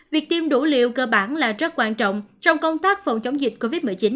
việc tiêm đủ liều cơ bản là rất quan trọng trong công tác phòng chống dịch covid một mươi chín